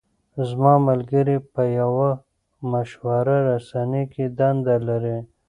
زما ملګری په یوه مشهوره رسنۍ کې دنده لري.